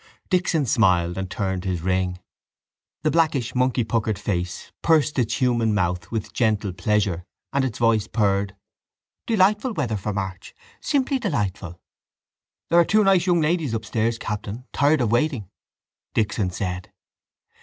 Dixon smiled and turned his ring. The blackish, monkey puckered face pursed its human mouth with gentle pleasure and its voice purred: —Delightful weather for March. Simply delightful. —There are two nice young ladies upstairs, captain, tired of waiting, Dixon said.